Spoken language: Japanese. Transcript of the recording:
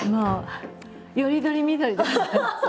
より取り見取りですよ。